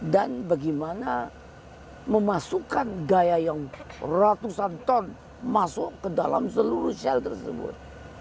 dan bagaimana memasukkan gaya yang ratusan ton masuk ke dalam seluruh sel tersebut